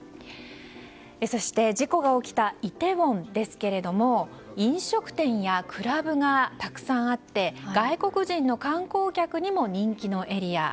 そして事故が起きたイテウォンですけれども飲食店やクラブがたくさんあって外国人の観光客にも人気のエリア。